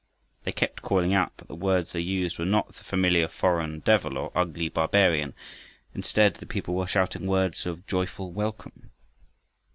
They kept calling out, but the words they used were not the familiar "foreign devil" or "ugly barbarian." Instead the people were shouting words of joyful welcome.